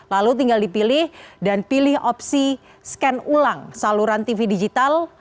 lalu tinggal dipilih dan pilih opsi scan ulang saluran tv digital